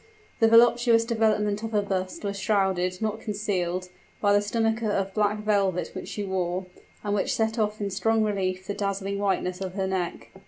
The voluptuous development of her bust was shrouded, not concealed, by the stomacher of black velvet which she wore, and which set off in strong relief the dazzling whiteness of her neck.